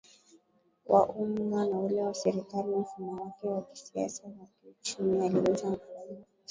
wa umma na ule wa serikali Mfumo wake wa kisiasa na kiuchumi aliuita mfumo